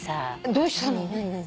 どうしたの？